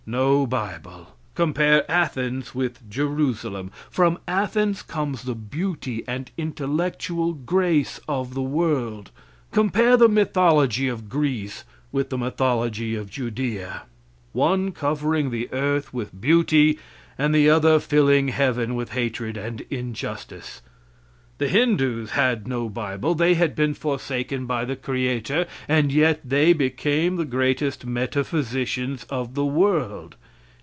No bible. Compare Athens with Jerusalem. From Athens comes the beauty and intellectual grace of the world. Compare the mythology of Greece with the mythology of Judea. One covering the earth with beauty, and the other filling heaven with hatred and injustice. The Hindoos had no bible; they had been forsaken by the creator, and yet they became the greatest metaphysicians of the world.